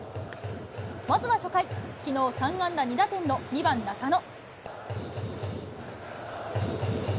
まずは初回、きのう、３安打２打点の２番中野。